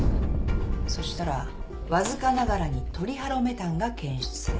そしたらわずかながらにトリハロメタンが検出された。